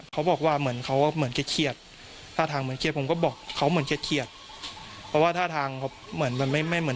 เขาบอกว่าเหมือนเขาเหมือนเครียดเครียดท่าทางเหมือนเครียดผมก็บอกเขาเหมือนเครียดเครียดท่าทางเหมือนไม่เหมือน